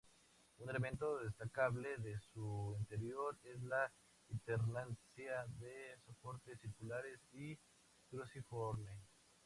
Un elemento destacable de su interior es la alternancia de soportes circulares y cruciforme.